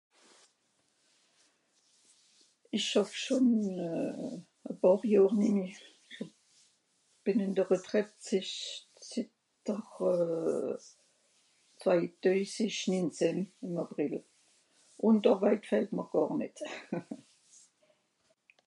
ich schàff schon euh e pààr Johr nemmeh, bin in de Retraite, s isch zitter zwei töisisch ninzehn im Àprill, un d'Àrweit fählt mr gàr nitt ha ha